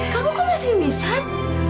kamu kok masih mimisan